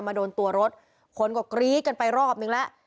โดนตัวรถคนก็กรี๊ดกันไปรอบนึงแล้ว